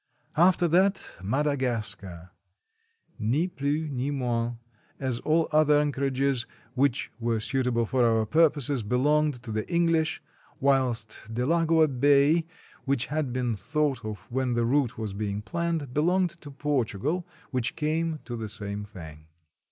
After that, Madagascar. Ni plus, ni moins, as all other anchorages which were suitable for our purposes belonged to the English, whilst Delagoa Bay, which had been thought of when the route was being planned, belonged to Portugal, which came to the same thing.